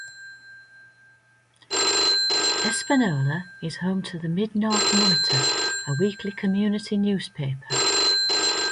Espanola is home to the "Mid-North Monitor", a weekly community newspaper.